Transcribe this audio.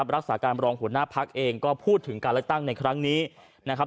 รักษาการรองหัวหน้าพักเองก็พูดถึงการเลือกตั้งในครั้งนี้นะครับ